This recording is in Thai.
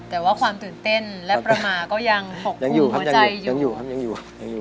แต่ว่าความตื่นเต้นและประมาณก็ยังขอบคุมหัวใจอยู่ยังอยู่ครับยังอยู่